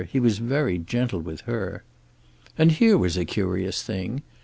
He was very gentle with her. And here was a curious thing.